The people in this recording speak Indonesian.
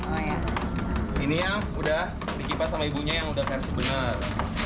ini yang sudah dikipas sama ibunya yang sudah versi benar